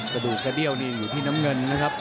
กระดูกกระเดี้ยวนี่อยู่ที่น้ำเงินนะครับ